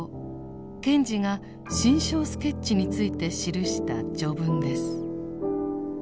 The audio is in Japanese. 賢治が「心象スケッチ」について記した序文です。